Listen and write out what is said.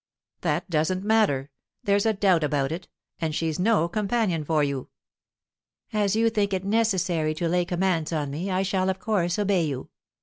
"That doesn't matter. There's a doubt about it, and she's no companion for you." "As you think it necessary to lay commands on me, I shall of course obey you.